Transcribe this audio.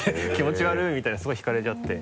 「気持ち悪い」みたいなすごい引かれちゃって。